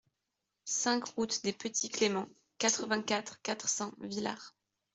cinq route des Petits Cléments, quatre-vingt-quatre, quatre cents, Villars